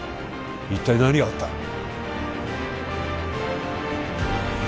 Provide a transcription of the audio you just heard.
一体何があった？